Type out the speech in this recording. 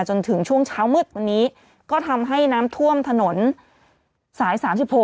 จนถึงช่วงเช้ามืดวันนี้ก็ทำให้น้ำท่วมถนนสาย๓๖